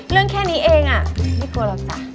เรื่องแค่นี้เองอะวิ่งไม่กลัวหรอกจ๊ะ